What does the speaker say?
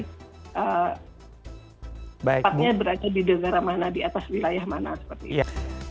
sepatunya berada di negara mana di atas wilayah mana